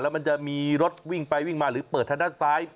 มันจะมีรถวิ่งไปวิ่งมาหรือเปิดทางด้านซ้าย